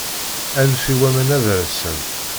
Anef i waman ad rsen.